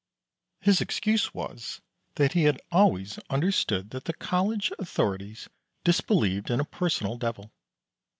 His excuse was that he had always understood that the College authorities disbelieved in a personal devil.